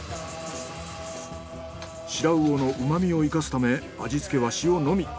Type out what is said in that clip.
シラウオの旨みを生かすため味付けは塩のみ。